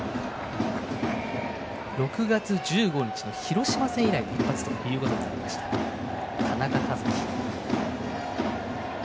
６月１５日の広島戦以来の一発ということになりました田中和基。